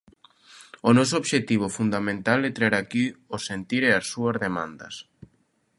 O noso obxectivo fundamental é traer aquí o sentir e as súas demandas.